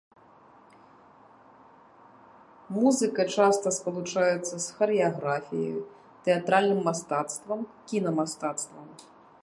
Музыка часта спалучаецца з харэаграфіяй, тэатральным мастацтвам, кіна-мастацтвам.